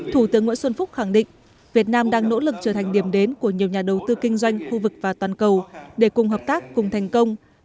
thủ tướng nguyễn xuân phúc khẳng định việt nam đang nỗ lực trở thành điểm đến của nhiều nhà đầu tư kinh doanh khu vực và toàn cầu để cùng hợp tác cùng thành công